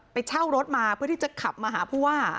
เช่ารถมาเพื่อที่จะขับมาหาผู้ว่า